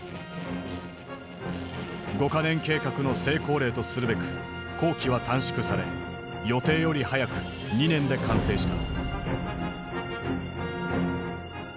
五か年計画の成功例とするべく工期は短縮され予定より早く２年で完成した。